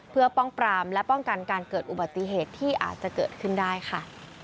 เพื่อป้องปรามและป้องกันการเกิดอุบัติเหตุที่อาจจะเกิดขึ้นได้ค่ะ